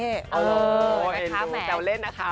เออเอ็นดูแต่เล่นนะคะ